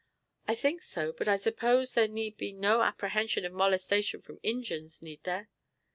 "I think so, but I suppose there need be no apprehension of molestation from Injins, need there?"